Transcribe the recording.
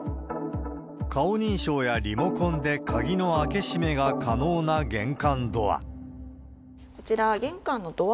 顔認証やリモコンで鍵の開け閉めが可能な玄関ドア。